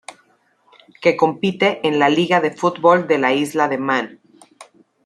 Que compite en la Liga de Fútbol de la Isla de Man.